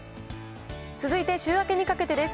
続いて週明けにかけてです。